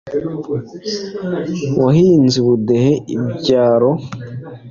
wahinze ubudehe ibyaro